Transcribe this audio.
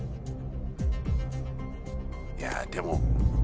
いやでも。